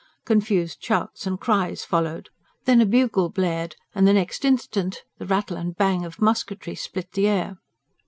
Confused shouts and cries followed. Then a bugle blared, and the next instant the rattle and bang of musketry split the air.